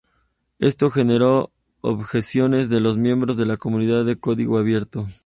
Esto generó objeciones de los miembros de la comunidad de código abierto.